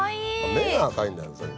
目が赤いんだよ